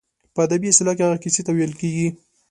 په ادبي اصطلاح هغې کیسې ته ویل کیږي.